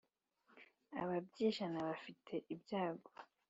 Ababyijana bafite ibyago